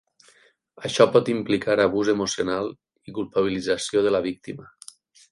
Això pot implicar abús emocional i culpabilització de la víctima.